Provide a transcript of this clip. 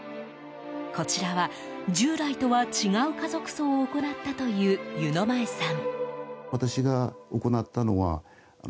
こちらは、従来とは違う家族葬を行ったという湯前さん。